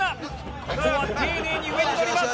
ここは丁寧に上に乗ります。